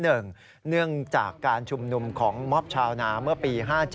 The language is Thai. เนื่องจากการชุมนุมของมอบชาวนาเมื่อปี๕๗